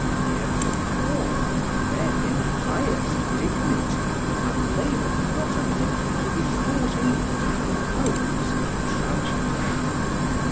Heretofore Men in highest dignity have labour'd not a little to be thought able to compose a Tragedy.